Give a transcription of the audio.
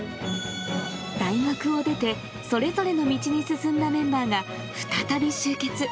大学を出て、それぞれの道に進んだメンバーが、再び集結。